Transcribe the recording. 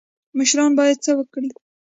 مشران باید څه وکړي؟